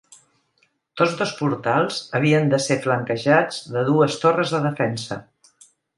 Tots dos portals havien de ser flanquejats de dues torres de defensa.